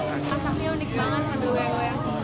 masaknya unik banget aduh wewe ya